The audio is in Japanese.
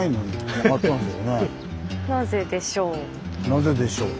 なぜでしょう？